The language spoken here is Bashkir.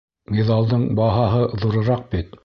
Миҙалдың баһаһы ҙурыраҡ бит.